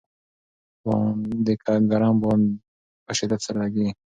باندې ګرم باد په شدت سره لګېږي.